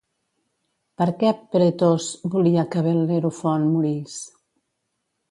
Per què Pretos volia que Bel·lerofont morís?